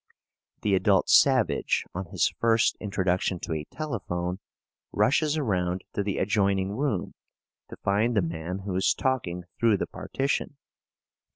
The adult savage, on his first introduction to a telephone, rushes around to the adjoining room to find the man who is talking through the partition.